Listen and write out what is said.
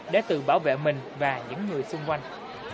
để tự bảo vệ mình và những người xung quanh